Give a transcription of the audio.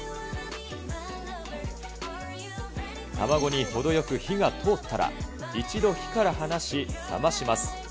卵に程よく火が通ったら、一度火から離し、冷まします。